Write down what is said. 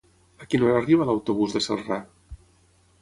A quina hora arriba l'autobús de Celrà?